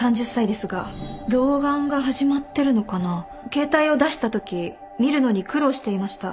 携帯を出したとき見るのに苦労していました。